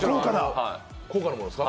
高価なものですか？